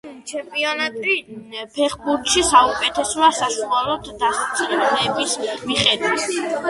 ეროვნული ჩემპიონატი ფეხბურთში საუკეთესოა საშუალო დასწრების მიხედვით.